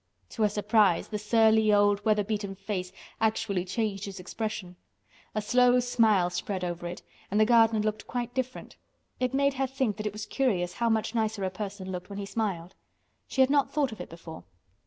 To her surprise the surly old weather beaten face actually changed its expression. A slow smile spread over it and the gardener looked quite different. It made her think that it was curious how much nicer a person looked when he smiled. She had not thought of it before.